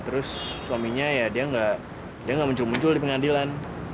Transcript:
terus suaminya ya dia nggak muncul muncul di pengadilan